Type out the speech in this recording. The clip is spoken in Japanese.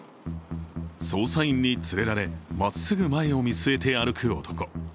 捜査員に連れられ、まっすぐ前を見据えて歩く男。